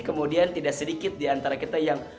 kemudian tidak sedikit diantara kita yang